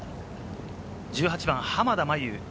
１８番、濱田茉優